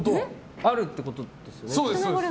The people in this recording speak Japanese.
あるってことですよね。